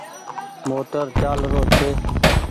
موٽر چآل رو ڇي۔